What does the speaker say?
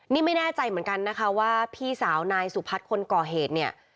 นี่ไม่แน่ใจเหมือนกันนะคะว่าพี่สาวนายสุพัฒน์คนก่อเหตุเนี่ย